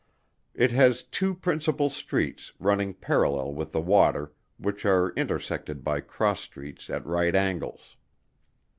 It has two principal streets, running parallel with the water, which are intersected by cross streets at right angles.